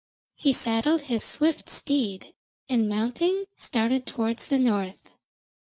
He saddled his swift steed, and mounting, started towards the north.